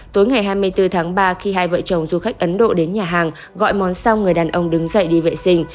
tối ngày hai mươi bốn tháng ba khi hai vợ chồng du khách ấn độ đến nhà hàng gọi món xong người đàn ông đứng dậy đi vệ sinh